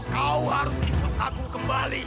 kau harus ikut agung kembali